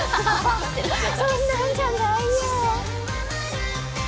そんなんじゃないよ。